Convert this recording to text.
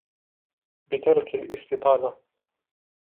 بِتَرْكِ الِاسْتِطَالَةِ